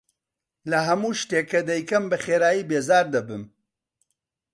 لە هەموو شتێک کە دەیکەم بەخێرایی بێزار دەبم.